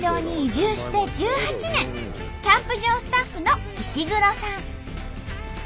１８年キャンプ場スタッフの石黒さん。